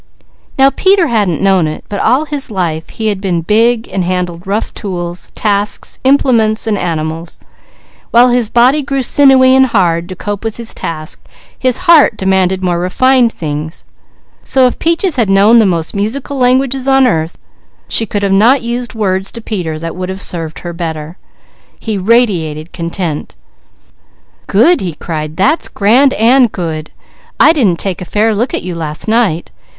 Now Peter hadn't known it, but all his life he had been big; handled rough tools, tasks, implements and animals; while his body grew sinewy and hard, to cope with his task, his heart demanded more refined things; so if Peaches had known the most musical languages on earth, she could not have used words to Peter that would have served her better. He radiated content. "Good!" he cried. "That's grand and good! I didn't take a fair look at you last night.